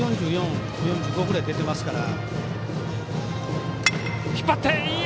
１４４、１４５ぐらい出てますから。